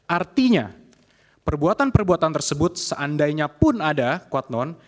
artinya perbuatan perbuatan tersebut seandainya pun ada kuat non